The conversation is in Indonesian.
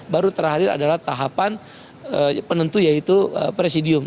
baru terakhir adalah tahapan penentu yaitu presidium